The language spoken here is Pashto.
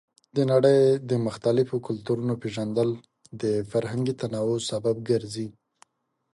د نړۍ د مختلفو کلتورونو پیژندل د فرهنګي تنوع سبب ګرځي.